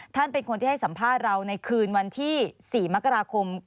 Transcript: เป็นคนที่ให้สัมภาษณ์เราในคืนวันที่๔มกราคม